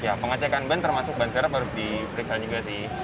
ya pengecekan ban termasuk ban serap harus diperiksa juga sih